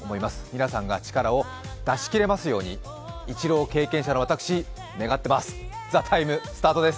皆さんが力を出し切れますように、一浪経験者の私、願っています。